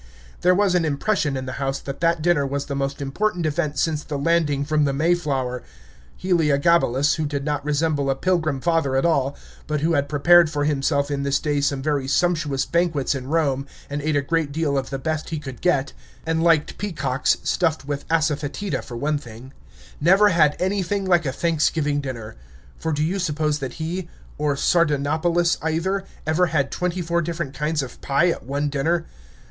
There was an impression in the house that that dinner was the most important event since the landing from the Mayflower. Heliogabalus, who did not resemble a Pilgrim Father at all, but who had prepared for himself in his day some very sumptuous banquets in Rome, and ate a great deal of the best he could get (and liked peacocks stuffed with asafetida, for one thing), never had anything like a Thanksgiving dinner; for do you suppose that he, or Sardanapalus either, ever had twenty four different kinds of pie at one dinner?